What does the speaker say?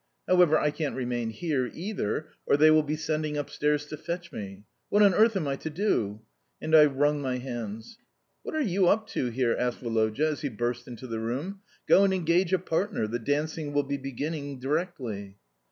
However, I can't remain here either, or they will be sending upstairs to fetch me. What on earth am I to do?" and I wrung my hands. "What are you up to here?" asked Woloda as he burst into the room. "Go and engage a partner. The dancing will be beginning directly."